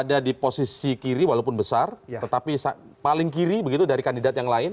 jadi posisi kiri walaupun besar tetapi paling kiri begitu dari kandidat yang lain